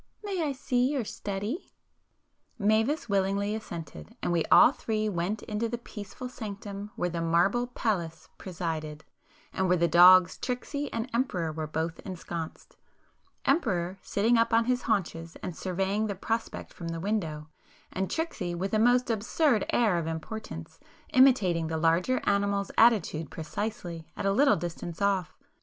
May I your study?" Mavis willingly assented,—and we all three went into the peaceful sanctum where the marble Pallas presided, and where the dogs Tricksy and Emperor were both ensconced,—Emperor sitting up on his haunches and surveying the prospect from the window, and Tricksy with a most absurd air of importance, imitating the larger animal's attitude precisely, at a little distance off.